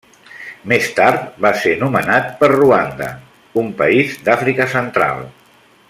Més tard va ser nomenat per Ruanda, un país d'Àfrica Central.